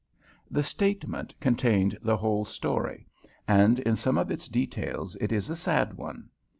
The statement contained the whole story, and in some of its details it is a sad one.